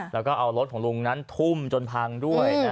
แล้วก็เอารถของลุงนั้นทุ่มจนพังด้วย